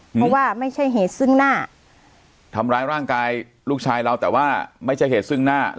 เพราะว่าไม่ใช่เหตุซึ่งหน้าทำร้ายร่างกายลูกชายเราแต่ว่าไม่ใช่เหตุซึ่งหน้า